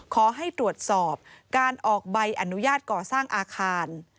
ขอให้ตรวจสอบการออกใบอนุญาตก่อสร้างอาคาร